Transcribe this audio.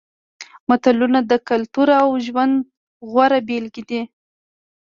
متلونه د کلتور او ژوند غوره بېلګې دي